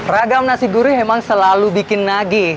ragam nasi gurih memang selalu bikin nagi